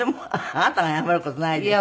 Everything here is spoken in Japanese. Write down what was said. あなたが謝る事ないでしょ。